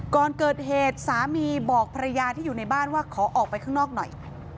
ก่อนเกิดเหตุสามีบอกภรรยาที่อยู่ในบ้านว่าขอออกไปข้างนอกหน่อย